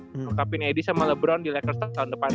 ngelengkapin aidy sama lebron di lakers tahun depan